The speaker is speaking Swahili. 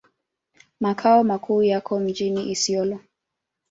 Makao makuu yako mjini Isiolo.